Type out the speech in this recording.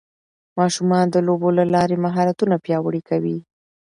ماشومان د لوبو له لارې مهارتونه پیاوړي کوي